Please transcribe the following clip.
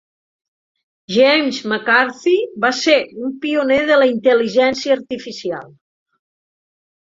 James McCarthy va ser un pioner de la intel·ligència artificial.